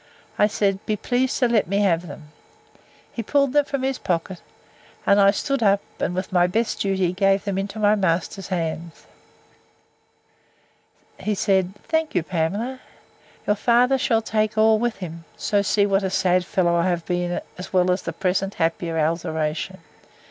—I said, Be pleased to let me have them. He pulled them from his pocket; and I stood up, and, with my best duty, gave them into my master's hands. He said, Thank you, Pamela. Your father shall take all with him, so see what a sad fellow I have been, as well as the present happier alteration.